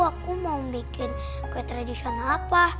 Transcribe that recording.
aku mau bikin kue tradisional apa